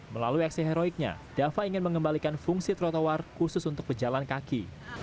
melalui aksi heroiknya dava ingin mengembalikan fungsi trotoar khusus untuk pejalan kaki